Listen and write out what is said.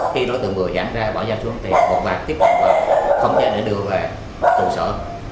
khi đối tượng vừa dán ra bỏ dao xuống thì bộ bạc tiếp cận vào khống chế để đưa về tù sở